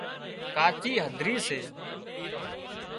ڪاچي هڌرِي سي